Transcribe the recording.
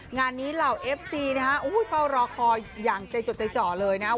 งานนี้เหล่าเอฟซีนะฮ่าป่าวรอคอย่างใจเลยนะฮ่า